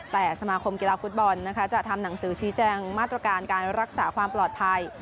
แต่สมาคมกีฬาฟุตบอลจะทำหนังสือชี้แจงมาตรการการรักษาความปลอดภัย